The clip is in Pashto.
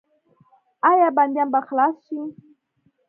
آیا بندیان به خلاص شي؟